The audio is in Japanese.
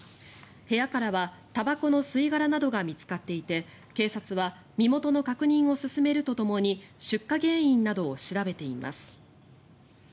部屋からはたばこの吸い殻などが見つかっていて警察は身元の確認を進めるとともに出火原因などを調べています。